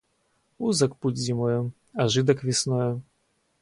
Узок путь зимою, а жидок - весною.